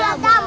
gak dam booong